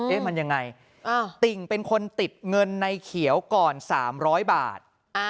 มันยังไงติ่งเป็นคนติดเงินในเขียวก่อน๓๐๐บาท